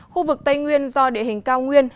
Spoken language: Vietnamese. khu vực tây nguyên do địa hình cao nguyên